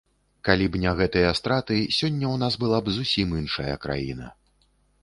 Калі б не гэтыя страты, сёння ў нас была б зусім іншая краіна.